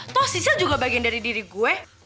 toh sisa juga bagian dari diri gue